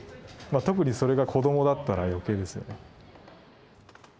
特にそれが子どもだったら余計ですよね。